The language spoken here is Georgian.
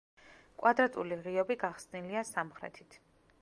კვადრატული ღიობი გახსნილია სამხრეთით.